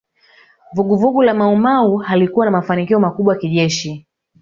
Vuguvugu la Maumau halikuwa na mafanikio makubwa kijeshi